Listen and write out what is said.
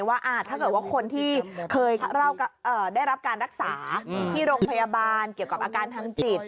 ว่าถ้าเกิดว่าคนที่เคยได้รับการรักษาที่โรงพยาบาลเกี่ยวกับอาการทางจิต